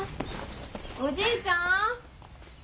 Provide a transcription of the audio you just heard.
おじいちゃん。